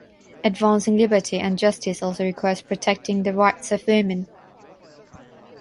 Advancing liberty and justice also requires protecting the rights of women.